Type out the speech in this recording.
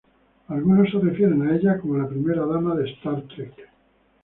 Algunos se refieren a ella como "la primera dama de Star Trek".